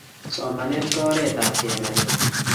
somanet ko oret ap kenaikei